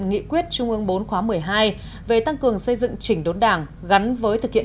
nghị quyết trung ương bốn khóa một mươi hai về tăng cường xây dựng chỉnh đốn đảng gắn với thực hiện